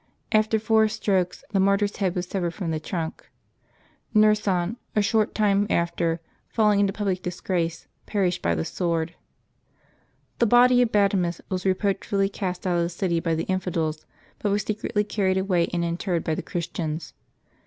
After four strokes, the martyr's head was severed from the trunk. Nersan a short time after, falling into public disgrace, perished by the sword. The body of St. Bademus was reproachfully cast out of the city by the infidels, but was secretly carried away and interred by the Christians.